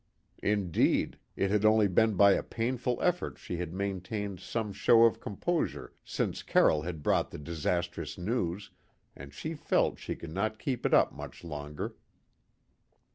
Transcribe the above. Indeed, it had only been by a painful effort she had maintained some show of composure since Carroll had brought the disastrous news and she felt she could not keep it up much longer.